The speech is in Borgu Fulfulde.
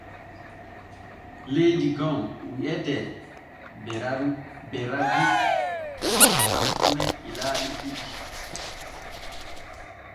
Leydi gom wi’etee Beraagu hakkune ilaaɗi ɗiɗi.